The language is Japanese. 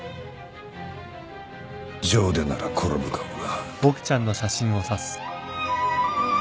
情でなら転ぶかもな。